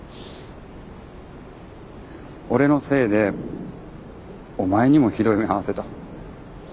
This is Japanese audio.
俺のせいでお前にもひどい目遭わせた。